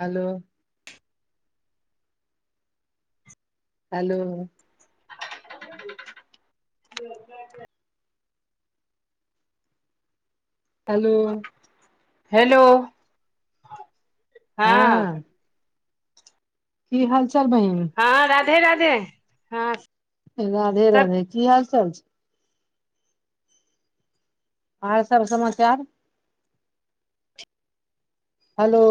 Hello. Hello. [inaudible] Hello. Hello हँ। की हाल चाल बैहीन एय राधे हाँ राधे राधे की हाल चाल छै आरसब समाचार हेलो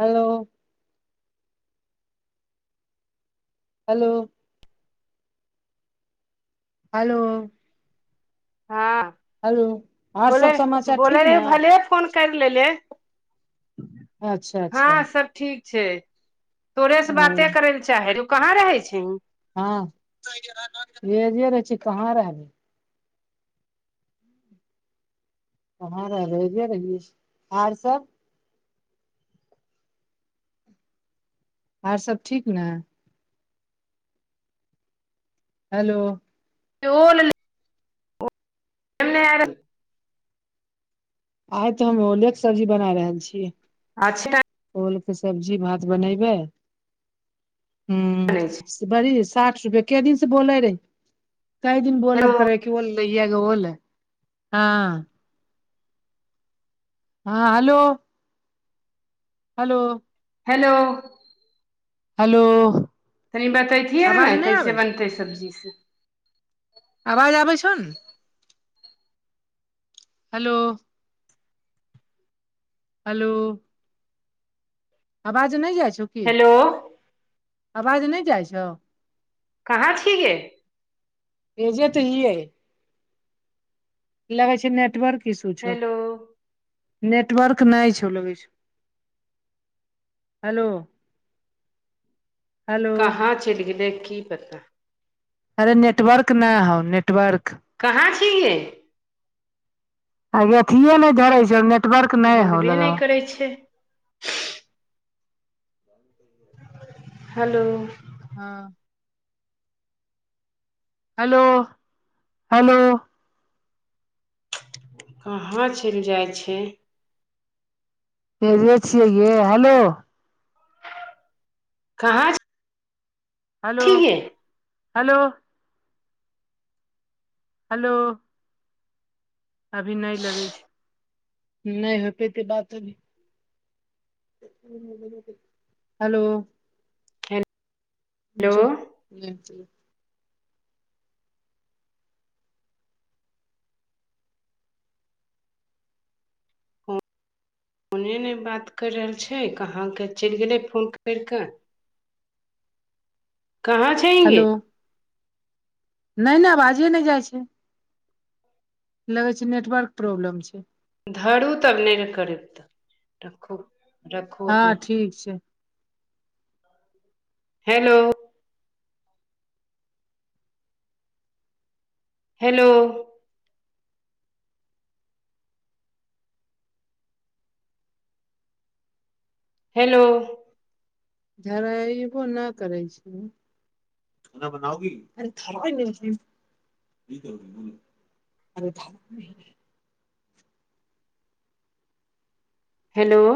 हेलो हेलो हेलो हाँ हेलो आर बोले सब समाचार ठीक ने बोलरहियै भले फोन कर लेले अच्छा अच्छा हाँ सब ठीक छै तोरेसे ओ बाते करे लए चाहे रहियौ तु कहाँ रहै छिहींन हाँ एजिए रहै छी कहाँ रहबै कहाँ रहबै एजिए रहबै आरसब आरसब ठीक न हेलो [unintelligible] आइ तऽ हम ओलेके सब्जी बना रहल छियै अच्छा ओलके सब्जी भात बनेैबै बनै छै। हूँ बड़ी साठि रुपये काए दिनसे बोले रहे कैए दिन बोलब हेलो करै केवल लइग ओल हाँ हाँ हेलो हेलो हेलो हेलो तनि बततियै ने आवाज नहि कैसे आबै छै बनतै सब्जीसे आवाज आबै छो ने हेलो हेलो आवाज नहि जाइ छो हेलो आवाज नहि जाइ छो कहाँ छी गे एजेे तऽ ई एय लगै छे नेटवर्क इसू छौ हेलो नेटवर्क नहि छो लगै छो हेलो हेलो कहाँ चलि गेलै की पता अरे नेट्वर्क ना हो नेटवर्क कहाँ छी गे आँगे अथिए नहि धरै छो नेटवर्क नहि बोलबे होलों करै छै हेलो हाँ हेलो हेलो कहाँ चलि जाइ छै एजे छी गे हेलो कहाँ छै हलो हलो हलो अभी नै लगै छै नै होयत हेतै बात अभी हलो हेलो जो [unintelligible] ओने नै बात करि रहल छै कहाँके चलि गेलै फोन करि कऽ कहाँ छै हलो नै नै आवाजे नै जाइ छैय लगै छै नेटवर्क प्रॉब्लम छै धरू तब नेल कतरै तऽ र खू हँ ठीक छै हेलो हेलो हेलो झरैयबो नऽ करै छैय खाना बनाओगी ई अ [unintelligible] हेलो